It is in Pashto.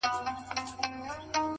• اې گوره تاته وايم،